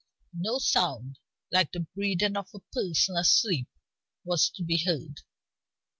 No sound like the breathing of a person asleep was to be heard.